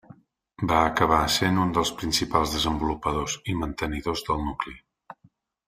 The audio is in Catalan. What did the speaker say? Va acabar sent un dels principals desenvolupadors i mantenidors del nucli.